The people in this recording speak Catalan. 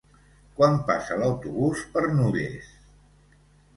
Quan passa l'autobús per Nulles?